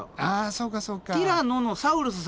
そうかそうか。